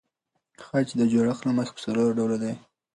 خج د جوړښت له مخه پر څلور ډوله دئ.